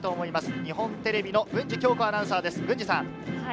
日本テレビの郡司恭子アナウンサーです。